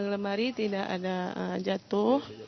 lemari tidak ada jatuh